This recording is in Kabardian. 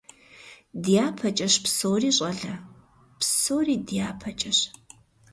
ДяпэкӀэщ псори, щӀалэ. Псори дяпэкӀэщ.